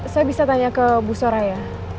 saya bisa tanya ke bu soraya